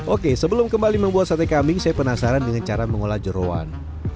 oke sebelum kembali membuat sate kambing saya penasaran dengan cara mengolah jerawan